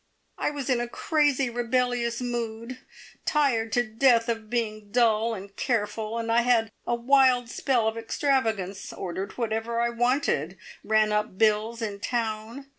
I was in a crazy, rebellious mood, tired to death of being dull and careful, and I had a wild spell of extravagance, ordered whatever I wanted, ran up bills in town.